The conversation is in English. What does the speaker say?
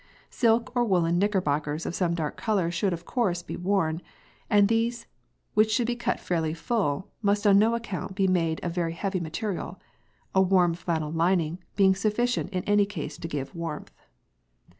Silk or woollen knickerbockers of some dark colour should of course be worn, and these which should be cut fairly full must on no account be made of very heavy material, a warm flannel lining being sufficient in any case to give warmth.